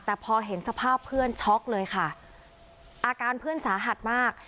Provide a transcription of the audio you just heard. แต่พอเห็นสภาพเพื่อนช็อกเลยค่ะอาการเพื่อนสาหัสมาก